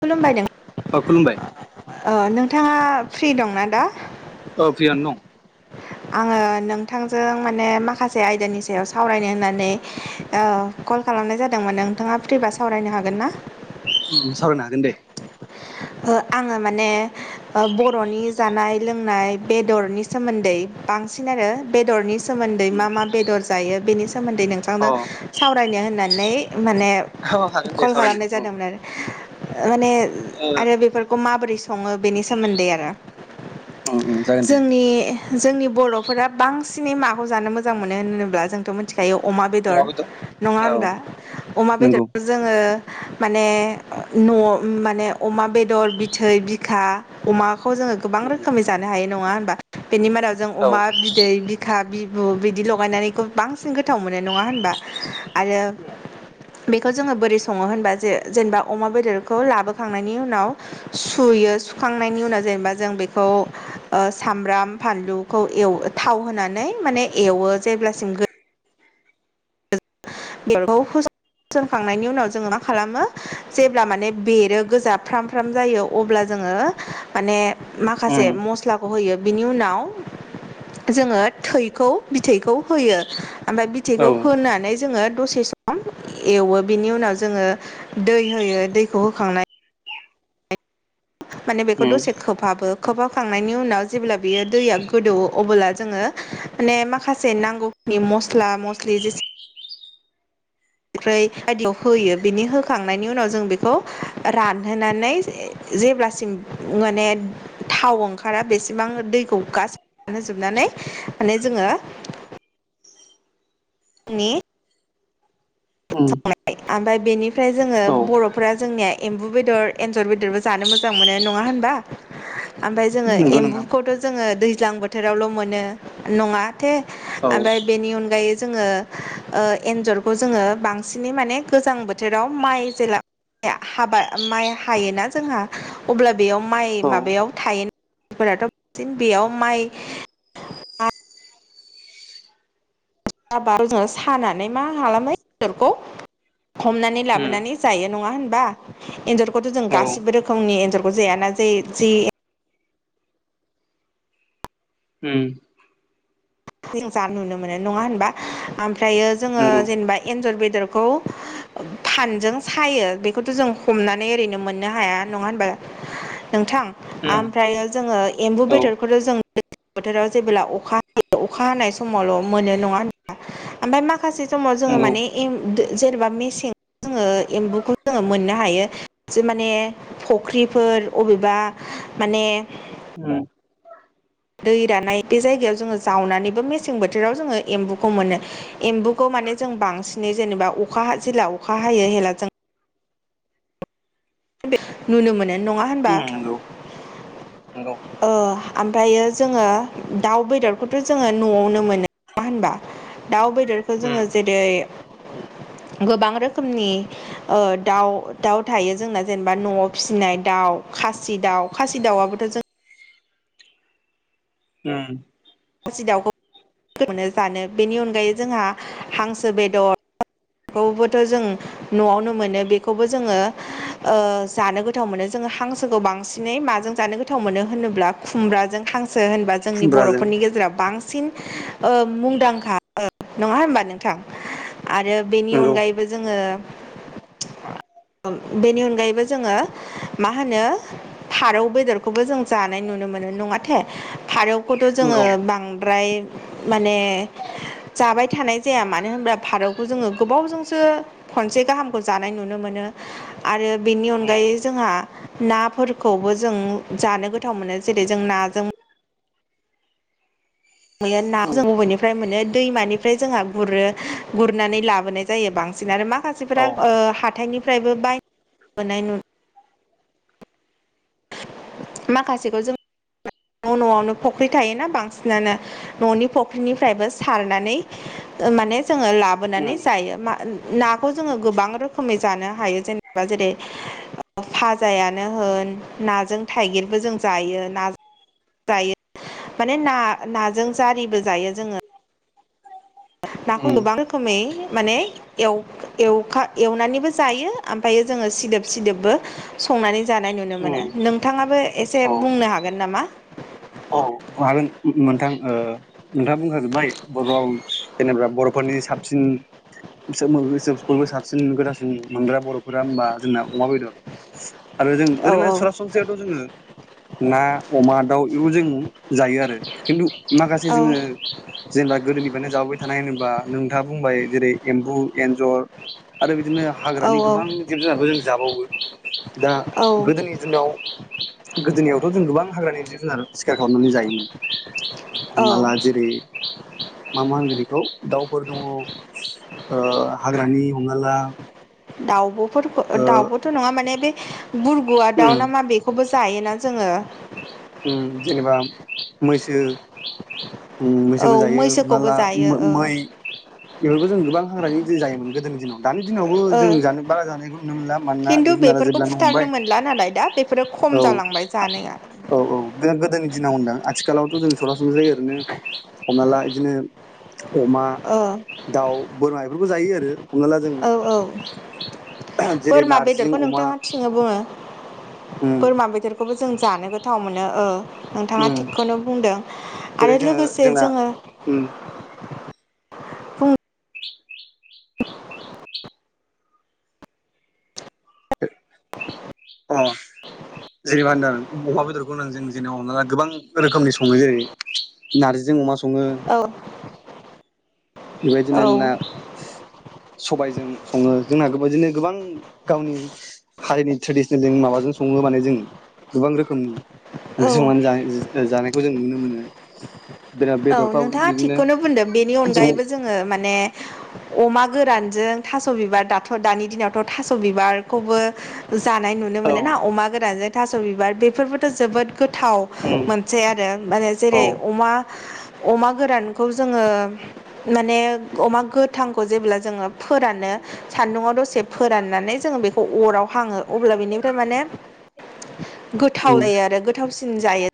खुलुमबाय अ खुलुमबाय नों [unintelligible] नोंथाङा फ्रि दंना दा? अ फ्रियानो दं। आङो नोंथांजों माने माखासे आयदानि सायाव सावरायनो होननानै ओ। कल खालामनाय जादोंमोन नोंथाङा फ्रिबा सावरायनो हागोन ना? सावरायनो हागोन दे। ओ आङो माने बर'नि जानाय लोंनाय बेदरनि सोमोन्दै बांसिन आरो बेदरनि सोमो न्दै मा उम मा बेदर जायो बेनि सोमोन्दै अ नोंथांनो सावरायनो होननानै। माने औ हागोन दे कल सावरायनो खालामनाय उम जादोंमोन आरो माने। ओ आरो बेफोरखौ माबोरै सङो बेनि सोमोन्दै आरो। उम उम जागोन दे जोंनि जोंनि बर' फोरा बांसिनै माखौ जानो मोजां मोनो होनोब्ला जोंथ' मिथि खायो अमा बेदर नङा औ होनब्ला अमा नंगौ बेदरखौ जोङो। माने न' माने अमा बेदर बिथै बिखा अमा खौ जों गोबां उम रोखोमै जानो हायो नङा होनमबा बेनि मादाव जों औ अमा बिदै, बिखा। बिदि लगायनानैखौ बांसिन गोथाव मोनो नङा होनबा आरो उम बेखौ जोङो बोरै सङो होनबा जे जेनेबा अमा बेदरखौ लाबो खांनायनि उनाव सुयो सुखांनायनि उनाव जेनेबा जों बेखौ। ओ सामब्राम फानलुखौ थाव होनानै माने एवो जेब्लासिम गो बे [unintelligible] सोंखांनायनि उनाव जोङो मा खालामो जेब्ला माने बेरो गोजा फ्राम फ्राम जायो अब्ला जोङो माखासे मेलाखौ होयो। बिनि उनाव जोङो थैखौ बिथैखौ होयो। ओमफ्राय बिथैखौ औ होनानै जोङो दसे सम एवो बिनि उनाव जोङो दै होयो दैखौ होखांनायनि माने बेखौ उम दसे खोबहाबो। खोबहाबखांनायनि उनाव जेब्ला बियो दैया गोदौवो अबोब्ला जोङो माने माखासे नांगौ। नि मस्ला मस्लि जेसे सख्रैं बायदिखौ होयो बिनि होखांनायनि उनाव जों बेखौ रानहोनानै। जेब्लासिम माने। थाव ओंखारा बेसेबां दैखौ गानहोजोबनानै [unintelligible] माने जोङो [inaudible] नि उम [unintelligible] संनाय ओमफ्राय बेनिफ्राय जोङो औ बर'फोरा जोंनिया एम्बु बेदर एन्जर बेदरबो जानो मो जां मोनो नङा होनबा ओमफ्राय जोङो नंगौ नोंथां एम्बुखौथ' जोङो दैज्लां बोथोरावल' मोनो नङा माथे औ ओमफ्राय बेनि अनगायै जोङो ओ एनजरखौ जोङो बांसिनै माने गोजां बोथोराव माइ जेला हाबा माइ हायोना जोंहा अब्ला बेयाव माइ औ माबायाव थायो फोराथ' बांसिन बेयाव माइ [unintelligible] साबा सानानै मा खालामबाय बेदरखो हमनानै उम लाबोनानै जायो नङा होनबा एनजरखौथ' जों औ गासिबो रोखोमनि एनजरखौ जाया ना जे जि उम जों जा नुनो मोनो नङा होनबा ओमफ्रायो जोङो नंगौ जेनेबा एन्जर बेदरखौ फानजों सायो बेखौथ' जों हमनानै ओरैनो मोननो हाया नङा होनबा नोंथां उम ओमफ्रायो जोङो एम्बु औ बेदरखौथ' जों दैज्लां [unintelligible] बोथोराव जेबोब्ला अखा होयो [unintelligible] अखा हानाय समावल' मोनो नङा होनबा ओमफ्राय माखासे समाव जोङो नंगौ माने जेनेबा मेसें जोङो एम्बुखौ जोङो मोननो हायो जे माने फुख्रिफोर अबेबा माने उम दै रानाय बे जायगायाव जोङो जावनानैबो मेसें बोथोराव जोङो एम्बुखौ मोनो एम्बुखौ माने जों बांसिनै जेनेबा अखा जेला अखा हायो हेब्ला जों नुनो मोनो नङा होनबा? उम नंगौ नंगौ ओ ओमफ्रायो जोङो दाउ बेदरखौथ' जोङो न'आवनो मोनो। नङा होनबा दाउ बेदरखौ जोङो उम जेरै गोबां रोखोमनि ओ दाउ दाउ थायो जोंना जेनेबा न'आव फिसिनाय दाउ खासि दाउ खासि दाउआबोथ' जों उम खासि दाउखौनो [unintelligible] जानो बेनि अनगायै जोंहा हांसो बेदर खौबोथ' जों न'आवनो मोनो बेखौबो जोङो आ जानो गोथाव मोनो जोङो हांसोखौ बांसिनै माजों जों जानो गोथाव मोनसिनो होनोब्ला खुम्ब्राजों हां सो होनबा जोंनि खुमब्राजों बर'फोरनि गेजेराव बांसिन ओ मुंदांखा नङा होमबा नोंथां आरो बेनि नंगौ अनगायैबो जोङो बेनि अनगायैबो जोङो मा होनो फारौ बेदरखौबो जों जानाय नुनो मो नो नङाथे फारौखौथ' जोङो नंगौ बां द्राय माने जाबाय थानाय जाया मानो होनोबा फारौखौ जोङो गोबावजोंसो खनसे गाहामखौ जानाय नुनो मोनो आरो बेनि उम अनगायै जोंहा नाफोरखौबो जों जानो गोथाव मोनो जेरै जों नाजों मैया नाखौ जों उम [unintelligible] बबेनिफ्राय मोनो दैमानिफ्राय जोंहा गुरो गुरनानै लाबोनाय जायो बां बांसिन आरो औ माखासेफोरा हाथाइनिफ्रायबो बाय नु माखासेखौ जों न' न'आवनो फुख्रि थायोना बांसिनानो न'नि फख्रिनिफ्रायबो सारनानै माने जोङो लाबोनानै उम जायो नाखौ जोङो गोबां रोखोमै जानो हायो जेनेबा जों जेरै फाजायानो होन नाजों थाइगिरबो जों जायो ना जायो माने ना नाजों जारिबो जायो जोङो नाखौ उम गोबां रोखोमै माने एव एवखा एवनानैबो जायो ओमफ्रायो जोङो सिदोब सिदोबबो संनानै जानाय नुनो मोनो उम नोंथाङाबो एसे बुंनो हागोन नामा? अ औ हागोन नोंथां ओ नोंथाङा बुंखाजोब्बाय बर' जेनेबा बर'फोरनि साबसिन उम बिसोर मोगोन [unintelligible] साबसिन गोथांसिन मोनग्रा बर'फोरा होमबा जोंना अमा बेदर आरो जों औ ओरैनो औ सरासनस्रायावथ' जोङो ना अमा दाउ बेबो जों जायो आरो खिन्थु माखासे जोङो जेनेबा गोदोनि जाबोबाय थानाय होनोबा नोंथाङा बुंबाय जेरै एम्बु एन्जर आरो बिदि बिदिनो औ हाग्रानि गोबां जिब जुनारखौ जों जाबावो दा औ औ गोदोनि जुनाव गोदोनियावथ' जों गोबां हाग्रानि जिब जुनार सिखार हरनानै जायोमोन औ हमना ला जेरै मा मा होनगोन बेखौ दाउफोर दङ हाग्रानि हमाब्ला दाउबोफोरखौ दाउबोथ' नङा माने बे गुरगुवआ दाउ उम ना मा बेखौबो ज जायोना जोङो जेनेबा मैसो मैसोबो औ जायो हमना मैसोखौबो ला जायो ओ मै बेफोरखौ जों गोबां हाग्रानि जायोमोन गोदोनि दिनाव दानि दिनावबो ओ जों ज बारा जानायखौ हमनो मोनला मानोना खिन्थु जिब जुनारा बेफोरखौ जेब्लानो फुथारनो हमबाय मोनला नालाय दा बेफोरो खम औ जालांबाय जानाया औ औ गोदोनि ना ह होनदों आथिखालावथ' जों सरासन जायो ओरैनो हमना ला बिदिनो अमा ओ दाउ बोरमा बेफोरखौ जायो आरो हमना ला जों औ औ जेरै बोरमा नारजिजों बेदरखौ अमा नोंथाङा थिङनो बुङो उम बोरमा बेदरखौबो जों जानो गोथाव मोनो नोंथाङा उम थिगखौनो बुंदों जेरै आरो जोङो लोगोसे जोंना जोङो उम बुं [inaudible] अ जेनेबा होनदों अमा बेदरखौ होन जों जेनेबामा गोबां रोखोमनि सङो जेरै नारजिजों अमा सङो औ औ बेबादिनोना सबायजों सङो जोंना बेबादिनो गोबां गावनि हारिनि ट्रेडिसनेलजों माबाजों सङो माने जों गोबां रोखोमनि ओंख्रि औ संनानै ज जानायखौ जों नुनो मोनो बिराद औ बेदरफ्राव नोंथाङा बिदिनो थिगखौनो बुंदों बेनि अनगायैबो जों जोङो माने अमा गोरानजों थास' बिबार दाथ' दानि दिनावथ' थास' बिबार खौबो जानाय नुनो औ मोनोना अमा गोरानजों थास' बिबार बेफोरबोथ' जोबोद गोथाव उम मोनसे आरो माने औ जेरै अमा अमा गोरानखौ जोङो माने अमा गोथांखौ जेब्ला जोङो फोरानो सानदुंआव दसे फोराननानै जोङो बेखौ अराव हाङो अब्ला बेनिफ्राय माने गोथाव उम जायो आरो गोथावसिन जायो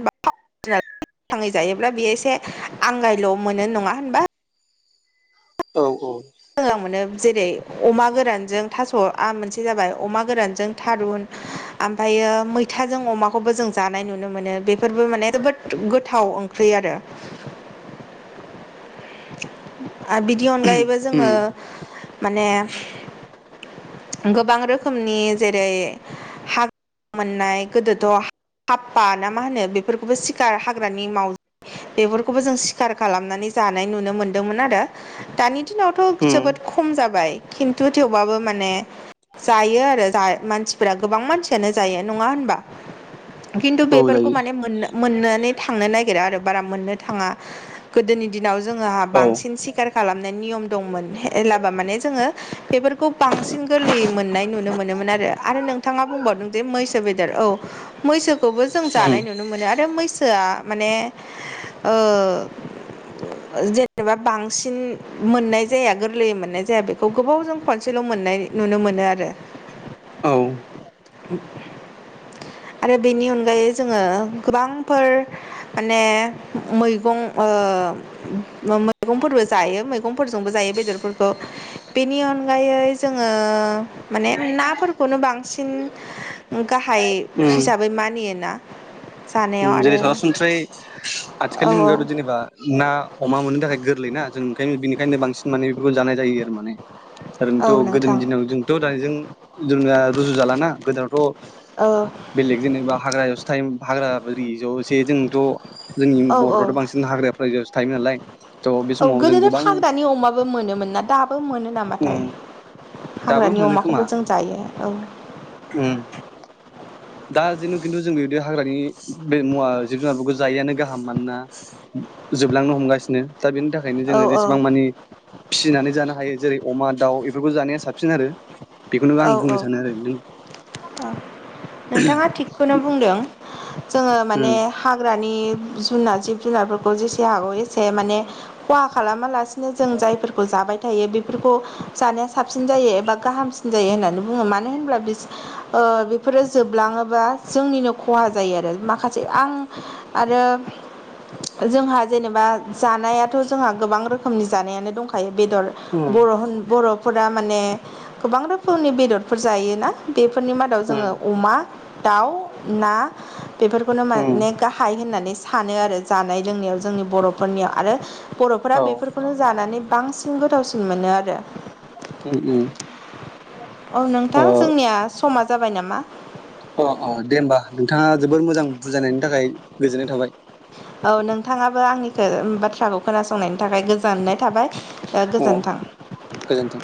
[unintelligible] थाङै जायोब्ला बेयो एसे आंगायल' मोनो नङा होनबा औ मोजां मोनो जेरै अमा गोरानजों थास'आ मोनसे जाबाय अमा गोरानजों थारुन ओमफ्रायो मैथाजों अमाखौबो जों जानाय नुनो मोनो बेफोरबो माने जोबोद गोथाव ओंख्रि आरो आरो बिनि अनगायैबो जोङो उम माने गोबां रोखोमनि जेरै हाग्रा मोननाय गोदोथ' हाफ्फा ना मा होनो बेफोरखौबो सिखार हाग्रानि माव बेफोरखौबो जों सिखार खालामनानै जानाय नुनो मोनदोंमोन आरो दानि दिनावथ' उम जोबोद खम जाबाय खिन्थु थेवबाबो माने जायो आरो मानसिफोरा गोबां मानसियानो जायो नङा होनबा खिन्थु औ बेफोरखौ जायो मानेनो मोननानै थांनो नागिरा आरो बारा मोननो थाङा गोदोनि दिनाव जोंङो औ बांसिन खार खालामनाय निम दंमोन माने जोङो बेफोरखौ बांसिन गोरलै मोननाय नुनो मोन मोनोन नोंथाङा बुंबावदों मैसो बेदर औ मैसो खौबो जों उम जानाय नुनो मोनो आरो मैसो आ ओ जेनेबा बांसिन मोननाय जाया गोरलैयै मोननाय जाया बेखौ गोबावजों खनसेल' मोननाय नुनो मोनो आरो औ [inaudible] आरो बेनि अनगायै जोङो गोबांफोर माने मैगं ओ मैगंफोरबो जायो मैगंफोरजोंबो जायो बेदरफोरखौ बेनि अनगायै जोङो माने नाफोरखौनो बांसिन गाहाय उम हिसाबै मानियो ना जेरै सरासनस्रायै औ आथिखालनि मुगायावथ' औ जेनेबा ना अमा मोननो थाखाय गोरलैना जों ओंखायनो बेनिखायनो बांसिन माने बेफोरखौ जानाय जायो आरो माने औ ओरैनोथ' गोदोनि नोंथां दिनाव जोंथ' दानिजों जोंनिया रुजु जालाना गोदोनाथ' औ बेलेग जेनेबा हाग्रा यावसो थायोमोन हाग्रा [unintelligible] जोंथ' जोंनि औ औ बर'फ्राथ' बांसिन हाग्रा फ्रा औ गोदोथ' फाउग्रानि अमाबो मोनोमोन ना दाबो मोन नामाथाय उम दाबो हाग्रानि मोनो खोमा अमाखौबो जों जायो औ उम दा जेन' खिन्थु जों बेबायदि हाग्रानि बे मुवा जिब जुनारफोरखौ जायैआनो गाहाम मानोना जोबलांनो हमगासिनो दा बेनि थाखायनो औ जोङो जेसेबां मानि फिसिनानै जानो हायो जेरै अमा दाउ बेफोरखौ जानाया साबसिन आरो बेखौनो आं औ औ बुंनो सानो आरो नों औ नोंथाङा थिगखौनो बुंदों जोङो माने उम हाग्रानि जुनार जिब जुनारफोरखौ जेसे हागौ एसे माने खहा खालामालासिनो जों जायफोरखौ जा जाबाय थायो बेफोरखौ जानाया साबसिन जायो एबा गाहामसिन जायो होननानै बुङो मानो होनब्ला बि ओह बेफोरो जोबलाङोबा जोंनिनो खहा जायो आरो माखासे आं आरो आरो जोंहा जेनेबा जानायाथ' जोंहा गोबां रोखोमनि जानायानो दंखायो बेदर उम बर' होन बर'फोरा माने गोबां रोखोमनि बेदरफोर जायोना फोरनि मादाव जोङो उम अमा दाउ ना बेफोरखौनो उम माने गाहाय होननानै सानो आरो जानाय लोंनायाव जोंनि बर'फोरनियाव आरो बर'फोरा बेफोरखौनो जानानै बांसिन गोथावसिन मोनो आरो ओम ओम औ नोंथां जोंनिया समा जाबाय नामा अ अ दे होमबा नोंथाङा जोबोर मोजां बुजायनायनि थाखाय गोजोननाय थाबाय औ नोंथाङाबो आंनिखौ बाथ्राखौ खोनासंनायनि थाखाय गोजोननाय थाबाय दा अ गोजोन्थों गोजोन्थों